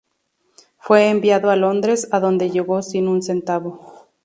Fue enviado a Londres, a donde llegó sin un centavo.